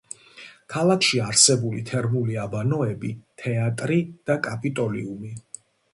ქალაქში არსებულა თერმული აბანოები, თეატრი და კაპიტოლიუმი.